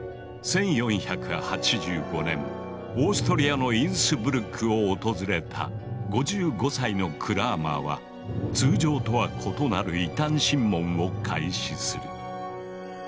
１４８５年オーストリアのインスブルックを訪れた５５歳のクラーマーは通常とは異なる異端審問を開始する。